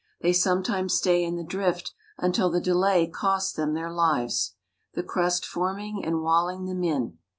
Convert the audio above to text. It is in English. They sometimes stay in the drift until the delay costs them their lives, the crust forming and walling them in.